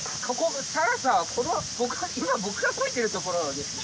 更紗は今僕がこいでるところですね